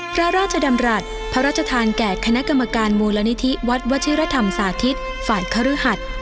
พระราชดำรัฐพระราชทานแก่คณะกรรมการมูลนิธิวัดวชิรธรรมสาธิตฝ่านคฤหัส